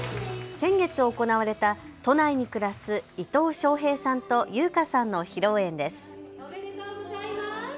先月行われた都内に暮らす伊藤翔平さんと優香さんの披露宴です。